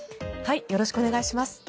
よろしくお願いします。